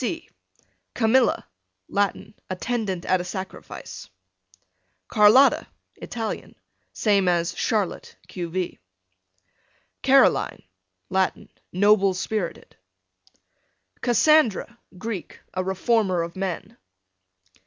C Camilla, Latin, attendant at a sacrifice. Carlotta. Italian, same as Charlotte, q. v. Caroline, Latin, noble spirited. Cassandra, Greek, a reformer of men.